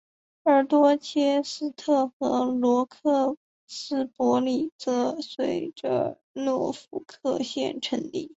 而多切斯特和罗克斯伯里则随着诺福克县成立。